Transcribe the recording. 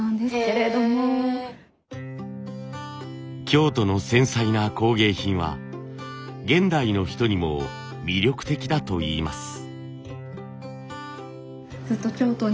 京都の繊細な工芸品は現代の人にも魅力的だといいます。